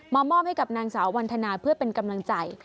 มอบให้กับนางสาววันธนาเพื่อเป็นกำลังใจ